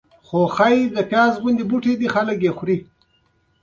کسبګرو د خرڅلاو لپاره په تولید لاس پورې کړ.